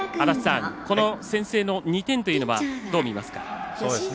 この先制の２点はどう見ますか？